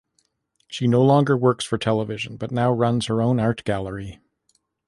She no longer works for television but now runs her own art gallery.